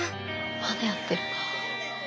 まだやってるか。